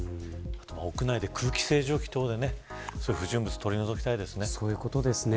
あとは屋内で、空気清浄機等で不純物を取り除きたいですね。